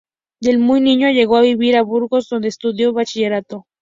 De muy niño llegó a vivir a Burgos, donde estudió bachillerato.